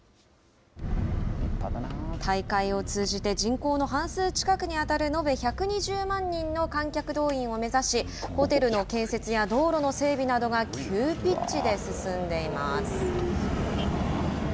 大会を通じて人口の半数近くにあたる延べ１２０万人の観客動員を目指しホテルの建設や道路の整備などが急ピッチで進んでいます。